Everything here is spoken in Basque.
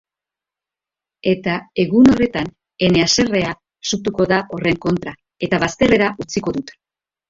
Eta egun horretan ene haserrea sutuko da horren kontra, eta bazterrera utziko dut.